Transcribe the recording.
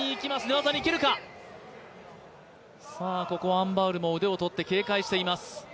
アン・バウルも腕をとって警戒しています。